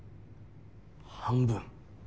半分。